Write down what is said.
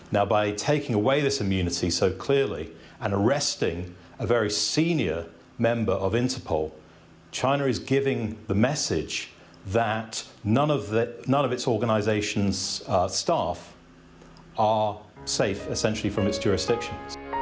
ไม่มีใครที่จะปลอดภัย